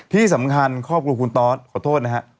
ที่สำคัญครอบครัวคุณตอสขอโทษนะฮะ